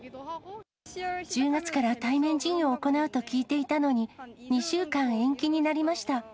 １０月から対面授業を行うと聞いていたのに、２週間延期になりました。